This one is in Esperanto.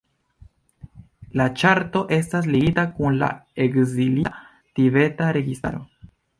La ĉarto estas ligita kun la Ekzilita tibeta registaro.